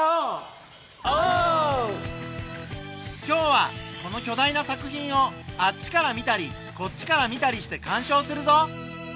今日はこのきょだいな作品をあっちからみたりこっちからみたりしてかんしょうするぞ。